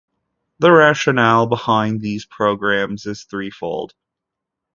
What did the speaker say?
The rationale behind these programs is threefold.